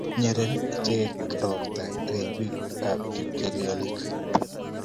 nyeren icheke robta ribikab kiplekonik